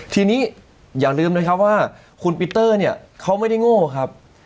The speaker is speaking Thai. ทีนี้อย่าลืมนะครับว่าคุณปีเตอร์เนี่ยเขาไม่ได้โง่ครับ